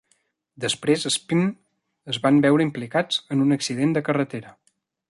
Després Sp!n es van veure implicats en un accident de carretera.